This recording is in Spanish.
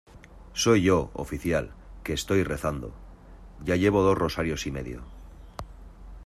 soy yo, oficial , que estoy rezando. ya llevo dos rosarios y medio .